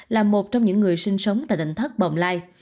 là một trong những người sinh sống tại tỉnh thác bồng lai